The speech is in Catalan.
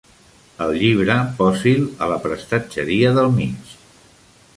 El llibre, posi'l a la prestatgeria del mig.